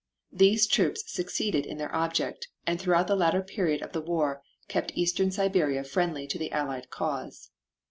These troops succeeded in their object, and throughout the latter period of the war kept Eastern Siberia friendly to the Allied cause.